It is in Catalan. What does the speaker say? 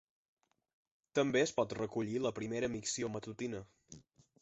També es pot recollir la primera micció matutina.